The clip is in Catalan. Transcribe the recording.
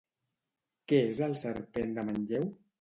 Què és El Serpent de Manlleu?